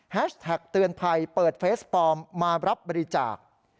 แท็กเตือนภัยเปิดเฟสปลอมมารับบริจาค